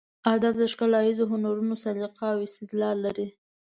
ادب د ښکلاییزو هنرونو سلیقه او استدلال لري.